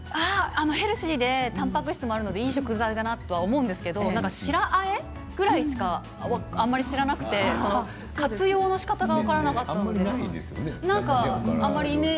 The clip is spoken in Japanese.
ヘルシーでたんぱく質もあるので、いい食材だなと思うんですけれども白あえぐらいしかあまり知らなくて活用のしかたがあまり分からなかった。